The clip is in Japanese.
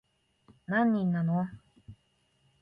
何人なの